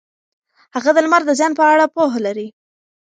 هغه د لمر د زیان په اړه پوهه لري.